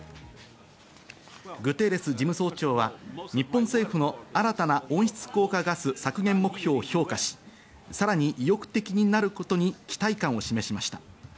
グテーレス事務総長は、日本政府の新たな温室効果ガス削減目標を評価し、さらに意欲的になることに期待感を示しました。